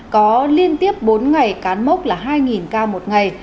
có liên tiếp bốn ngày cán mốc là hai ca một ngày